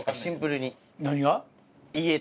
何が？